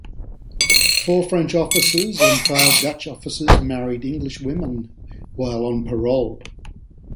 Four French officers and five Dutch officers married English women while on parole.